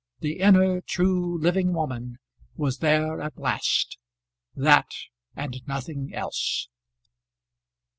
The inner, true, living woman was there at last, that and nothing else.